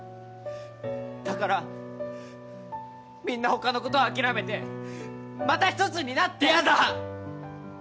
だからみんな他のことを諦めてまた一つになって。